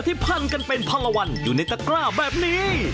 พันกันเป็นพันละวันอยู่ในตะกร้าแบบนี้